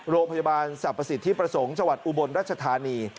โรงพยาบาลสรรพสิทธิประสงค์จังหวัดอุบลรัชธานี